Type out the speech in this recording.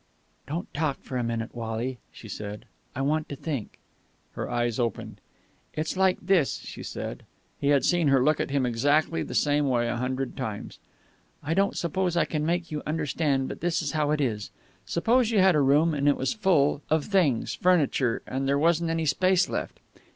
"Don't talk for a minute, Wally," she said. "I want to think." Her eyes opened. "It's like this," she said. He had seen her look at him in exactly the same way a hundred times. "I don't suppose I can make you understand, but this is how it is. Suppose you had a room, and it was full of things. Furniture. And there wasn't any space left.